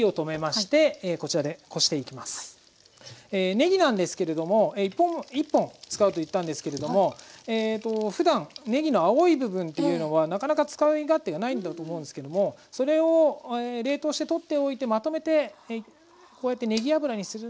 ねぎなんですけれども一本一本使うと言ったんですけれどもふだんねぎの青い部分っていうのはなかなか使い勝手がないんだと思うんですけどもそれを冷凍して取っておいてまとめてこうやってねぎ油にするのもおすすめです。